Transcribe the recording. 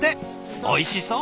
おいしそう！